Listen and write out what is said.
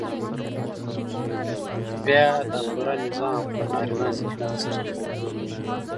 بيا دا پوره نظام پر نارينه ذهنيت څرخي.